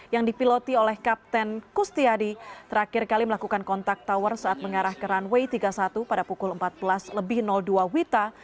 yang dipiloti oleh kapten kustiadi terakhir kali melakukan kontak tower saat mengarah ke runway tiga puluh satu pada pukul empat belas lebih dua wita